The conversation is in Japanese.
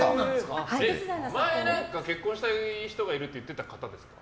前、結婚したい人がいるって言ってた方ですか？